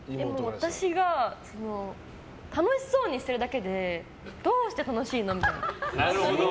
私が楽しそうにしてるだけでどうして楽しいの？みたいな。